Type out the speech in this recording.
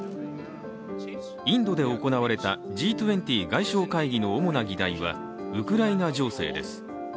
インドで行われたＧ２０外相会議の主な議題はウクライナ情勢です。